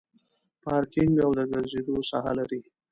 پارکینګ او د ګرځېدو ساحه لري.